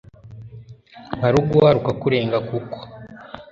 nkaruguha rukakurenga kuko